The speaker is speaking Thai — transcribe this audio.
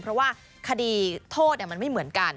เพราะว่าคดีโทษมันไม่เหมือนกัน